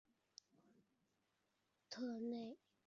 特内里费体育会是一家西班牙的足球俱乐部。